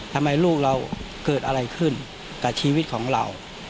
ทำไมลูกเราเกิดอะไรขึ้นกับชีวิตของเรา